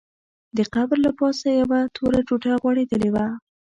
د قبر له پاسه یوه توره ټوټه غوړېدلې وه.